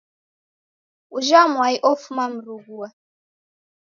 Ujha mwai ofuma Mrughua